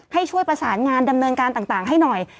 ให้ช่วยประสานงานดำเนินการต่างให้หน่อย